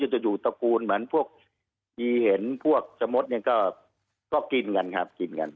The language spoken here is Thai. มันก็จะอยู่ตระกูลเหมือนพวกมีเห็นพวกสมมติก็กินกันครับ